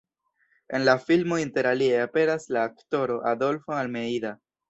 En la filmo interalie aperas la aktoro Adolfo Almeida.